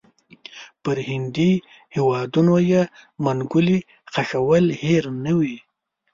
پر هندي هیوادونو یې منګولې ښخول هېر نه وي.